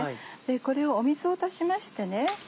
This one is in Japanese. これを水を足しましてね